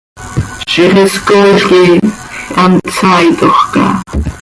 Ziix is cooil quij hant saitoj caha.